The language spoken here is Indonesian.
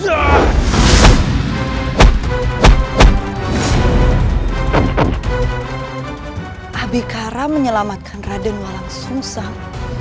adhikara menyelamatkan raden walang susah